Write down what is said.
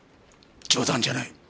冗談じゃない！